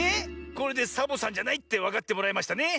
これでサボさんじゃないってわかってもらえましたね。